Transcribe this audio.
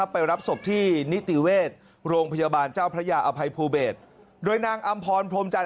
ไปรับศพที่นิติเวชโรงพยาบาลเจ้าพระยาอภัยภูเบศโดยนางอำพรพรมจันท